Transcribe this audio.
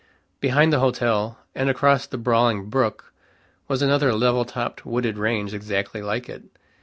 Behind the hotel, and across the brawling brook, was another level topped, wooded range exactly like it.